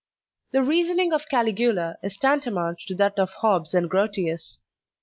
The reasoning of Caligula is tantamount to that of Hobbes and Grotius.